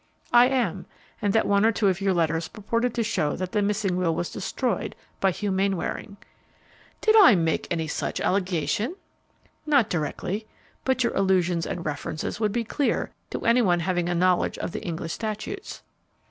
"I am; and that one or two of your letters purported to show that the missing will was destroyed by Hugh Mainwaring." "Did I make any such allegation?" "Not directly; but your allusions and references would be clear to any one having a knowledge of the English statutes."